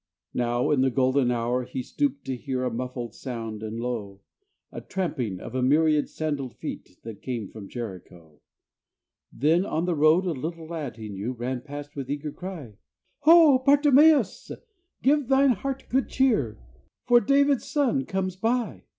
Now, in the golden hour, he stooped to hear A muffled sound and low, The tramping of a myriad sandalled feet That came from Jericho. Then on the road a little lad he knew Ran past, with eager cry, "Ho, Bartimeus! Give thine heart good cheer, For David's Son comes by!